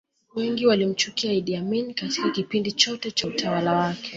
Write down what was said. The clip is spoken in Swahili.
wengi walimchukia idd amin Katika kipindi chote cha utawala wake